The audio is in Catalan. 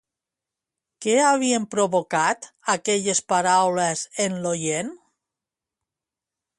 Què havien provocat aquelles paraules en l'oient?